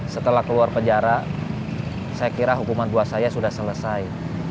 setelah keluar penjara saya kira hukuman buat saya sudah selesai